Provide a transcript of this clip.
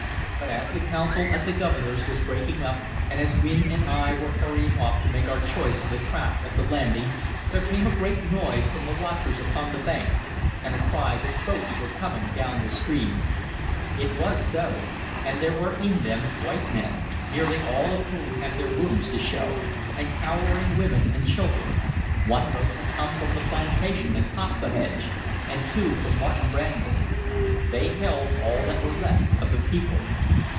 But as the council at the Governor's was breaking up, and as Wynne and I were hurrying off to make our choice of the craft at the landing, there came a great noise from the watchers upon the bank, and a cry that boats were coming down the stream. It was so, and there were in them white men, nearly all of whom had their wounds to show, and cowering women and children. One boat had come from the plantation at Paspahegh, and two from Martin Brandon; they held all that were left of the people....